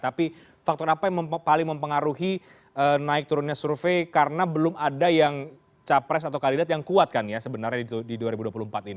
tapi faktor apa yang paling mempengaruhi naik turunnya survei karena belum ada yang capres atau kandidat yang kuat kan ya sebenarnya di dua ribu dua puluh empat ini